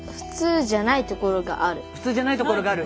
普通じゃないところがある。